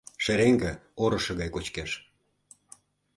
Шереҥге орышо гай кочкеш.